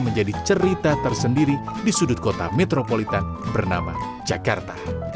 menjadi cerita tersendiri di sudut kota metropolitan bernama jakarta